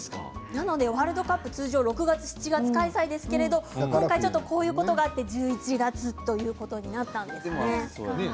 なのでワールドカップは通常６月、７月開催ですがこういうことがあって今回１１月ということになったんですね。